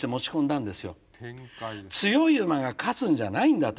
強い馬が勝つんじゃないんだと。